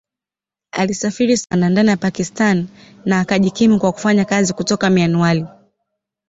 Alisafiri sana ndani ya Pakistan na akajikimu kwa kufanya kazi kutoka Mianwali.